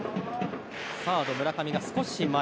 サード、村上が少し前。